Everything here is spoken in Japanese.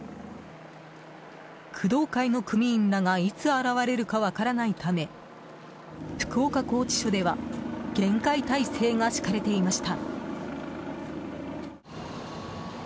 工藤会の組員らがいつ現れるか分からないため福岡拘置所では厳戒態勢が敷かれていました。